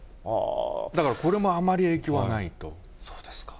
だからこれもあまり影響はなそうですか。